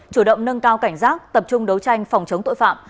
chủ động nâng cao cảnh giác tập trung đấu tranh phòng chống tội phạm